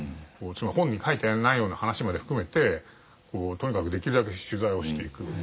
本に書いてないような話まで含めてとにかくできるだけ取材をしていく。